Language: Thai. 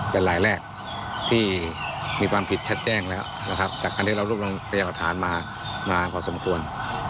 เป็นรายแรกที่มีความผิดชัดแจ้งแล้วจากการที่เรารูปรังพยาบาทานมาพอสมควร